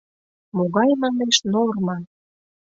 — Могай, манеш, норма?